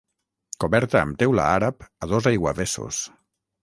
Coberta amb teula àrab a dos aiguavessos.